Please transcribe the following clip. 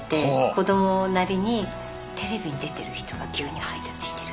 子どもなりにテレビに出てる人が牛乳配達してる。